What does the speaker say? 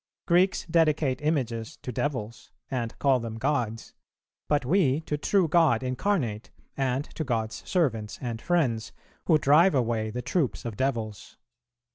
Greeks dedicate images to devils, and call them gods; but we to True God Incarnate, and to God's servants and friends, who drive away the troops of devils."